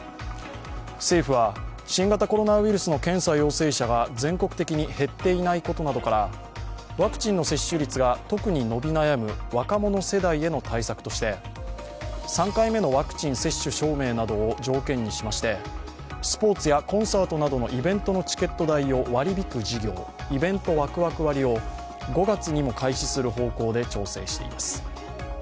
政府は、新型コロナウイルスの検査陽性者が全国的に減っていないことなどからワクチンの接種率が特に伸び悩む若者世代への対策として３回目のワクチン接種証明などを条件にしまして、スポーツやコンサートなどのイベントのチケット代を割り引く事業、イベントワクワク割を５月にも開始する方向で調整しています。